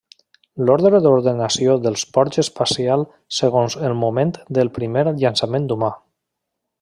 L'ordre d'ordenació dels ports espacial segons el moment del primer llançament humà.